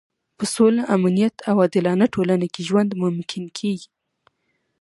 په سوله، امنیت او عادلانه ټولنه کې ژوند ممکن کېږي.